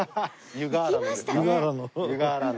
湯河原の。